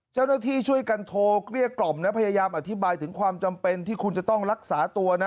เจ้าหน้าที่ช่วยกันโทรเกลี้ยกล่อมนะพยายามอธิบายถึงความจำเป็นที่คุณจะต้องรักษาตัวนะ